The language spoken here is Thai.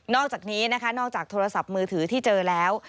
อกจากนี้นะคะนอกจากโทรศัพท์มือถือที่เจอแล้ว